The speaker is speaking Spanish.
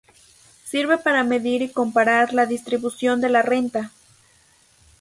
Sirve para medir y comparar la distribución de la renta.